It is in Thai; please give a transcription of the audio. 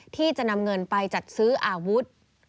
ที่จะนำเงินไปจัดซื้ออาวุธ